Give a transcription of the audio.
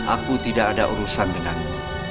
aku tidak ada urusan denganmu